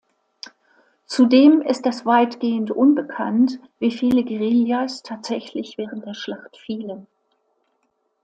Zudem ist es weitgehend unbekannt wie viele Guerillas tatsächlich während der Schlacht fielen.